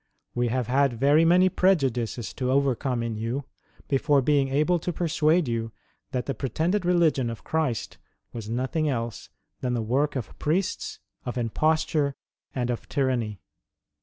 We have had very many prejudices to overcome in you, before being able to persuade you, that the pretended religion of Christ was nothing else than the work of priests, of imposture, and of tyranny.